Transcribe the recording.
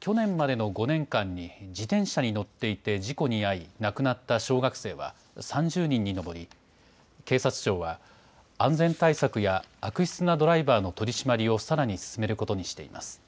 去年までの５年間に自転車に乗っていて事故に遭い亡くなった小学生は３０人に上り警察庁は安全対策や悪質なドライバーの取締りをさらに進めることにしています。